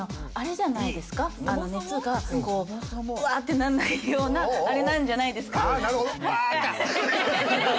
熱がバってなんないような、あれなんじゃないですか？